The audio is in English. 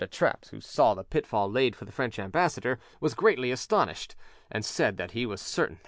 de Trappes, who saw the pitfall laid for the French ambassador, was greatly astonished, and said that he was certain that M.